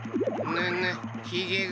ぬぬひげが。